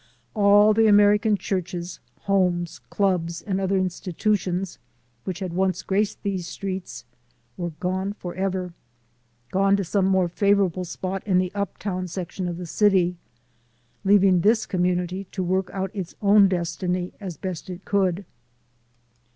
All the American churches, homes, clubs and other institutions which once had graced these streets were gone forever; gone to some more favorable spot in the uptown section of the city, leaving this community to work out its own destiny as best it could.